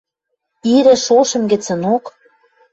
Ирӹ шошым гӹцӹнок